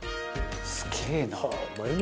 「すげえな」